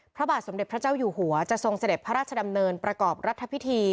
พระบาทสมเด็จพระเจ้าอยู่หัวจะทรงเสด็จพระราชดำเนินประกอบรัฐพิธี